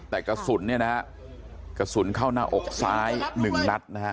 แต่กระสุนเนี่ยนะฮะกระสุนเข้าหน้าอกซ้ายหนึ่งนัดนะฮะ